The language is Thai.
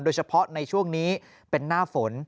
โดยเฉพาะในช่วงนี้เป็นหน้าฝน